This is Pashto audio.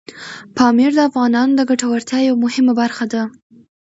پامیر د افغانانو د ګټورتیا یوه مهمه برخه ده.